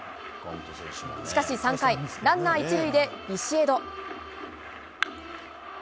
しかし３回、ランナー１塁でビシエド。